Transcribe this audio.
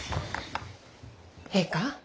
ええか？